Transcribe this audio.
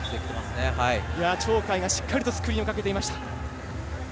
鳥海がしっかりとスクリーンをかけていました。